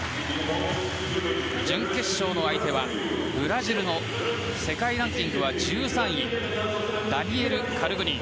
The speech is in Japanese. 準決勝の相手はブラジルの世界ランキング１３位ダニエル・カルグニン。